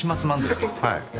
はい。